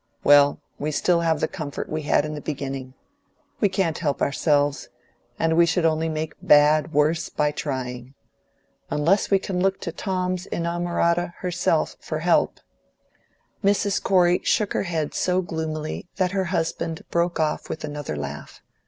Well, we still have the comfort we had in the beginning; we can't help ourselves; and we should only make bad worse by trying. Unless we can look to Tom's inamorata herself for help." Mrs. Corey shook her head so gloomily that her husband broke off with another laugh.